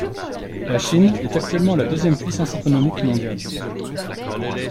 La Chine est actuellement la deuxième puissance économique mondiale.